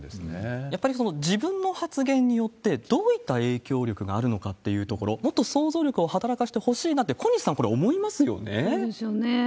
やっぱり自分の発言によって、どういった影響力があるのかというところ、もっと想像力を働かしてほしいなって、小西さん、これ、思いますそうですよね。